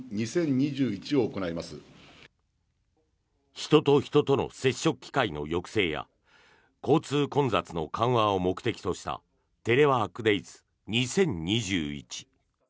人と人との接触機会の抑制や交通混雑の緩和を目的としたテレワーク・デイズ２０２１。